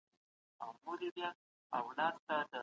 سوله کول له شخړې څخه غوره ده.